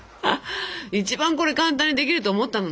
一番これ簡単にできると思ったのにね。